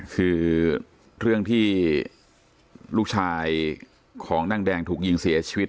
คือเรื่องที่ลูกชายของนางแดงถูกยิงเสียชีวิต